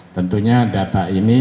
tentunya data ini